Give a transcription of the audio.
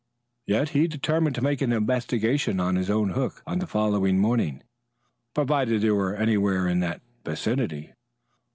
Yet he determined to make an investigation on his own hook on the following morning, provided they were anywhere in that vicinity.